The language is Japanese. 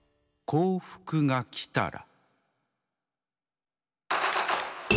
「『幸福』がきたら」。